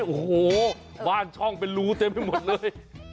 โอ้โหบ้านช่องเป็นรูเต็มไปหมดเลย